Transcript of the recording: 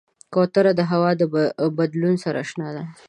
کوتره د هوا د بدلون سره اشنا ده.